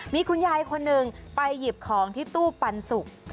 มีคุณยายคนหนึ่งไปหยิบของที่ตู้ปันสุก